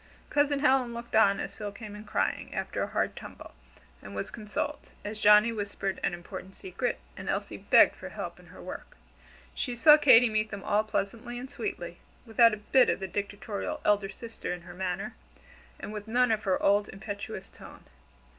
Cousin Helen looked on as Phil came in crying, after a hard tumble, and was consoled; as Johnnie whispered an important secret, and Elsie begged for help in her work. She saw Katy meet them all pleasantly and sweetly, without a bit of the dictatorial elder sister in her manner, and with none of her old, impetuous tone.